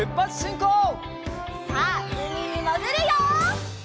さあうみにもぐるよ！